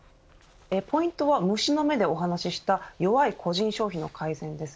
ポイントは、虫の目でお話した弱い個人消費の改善です。